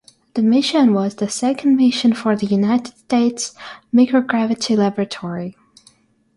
The mission was the second mission for the United States Microgravity Laboratory.